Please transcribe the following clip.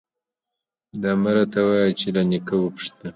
_دا مه راته وايه چې له نيکه وپوښته.